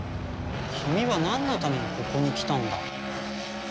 君はなんのためにここに来たんだ？